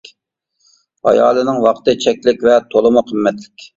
ئايالنىڭ ۋاقتى چەكلىك ۋە تولىمۇ قىممەتلىك.